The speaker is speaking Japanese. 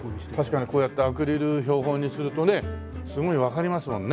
確かにこうやってアクリル標本にするとねすごいわかりますもんね。